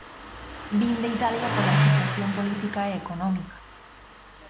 Vin de Italia pola situación política e económica.